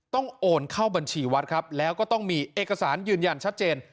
โอนเข้าบัญชีวัดครับแล้วก็ต้องมีเอกสารยืนยันชัดเจน